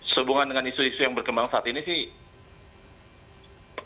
sehubungan dengan isu isu yang berkembang saat ini sih